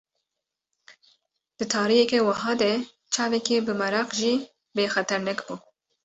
Di tariyeke wiha de çavekî bimereq jî bê xeternak bû.